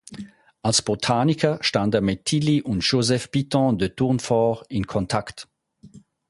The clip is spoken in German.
Als Botaniker stand er mit Tilli und Joseph Pitton de Tournefort in Kontakt.